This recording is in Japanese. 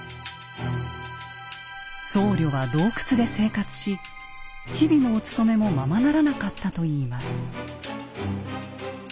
僧侶は洞窟で生活し日々のお勤めもままならなかったといいます。